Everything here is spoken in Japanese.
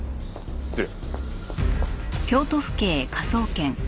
失礼。